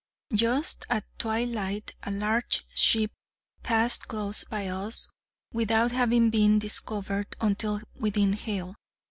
Just at twilight a large ship passed close by us, without having been discovered until within hail.